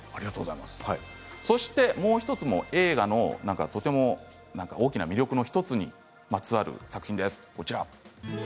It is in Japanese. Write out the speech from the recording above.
もう１つも映画のとても大きな魅力の１つにまつわる作品です。